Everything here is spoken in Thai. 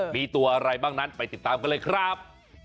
มีตัวอะไรบ้างนั้นไปติดตามกันเลยครับ